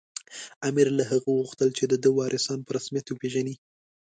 امیر له هغه وغوښتل چې د ده وارثان په رسمیت وپېژني.